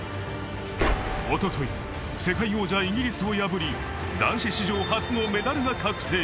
一昨日、世界王者・イギリスを破り、男子史上初のメダルが確定。